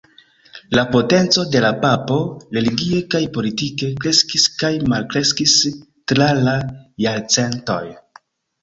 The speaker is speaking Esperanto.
La potenco de la papo, religie kaj politike, kreskis kaj malkreskis tra la jarcentoj.